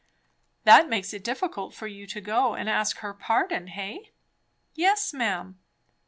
"That makes it difficult for you to go and ask her pardon, hey?" "Yes, ma'am."